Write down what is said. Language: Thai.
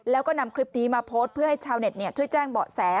แล้วก็นำคลิปนี้มาโพสต์เพื่อให้ชาวเน็ตช่วยแจ้งเบาะแส